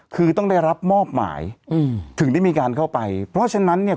คือต้องได้รับมอบหมายอืมถึงได้มีการเข้าไปเพราะฉะนั้นเนี่ย